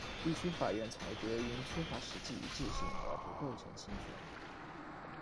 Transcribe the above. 地区法院裁决因缺乏实际一致性而不构成侵权。